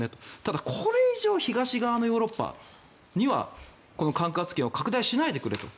だけど、これ以上東側のヨーロッパにはこの管轄権を拡大しないでくれと。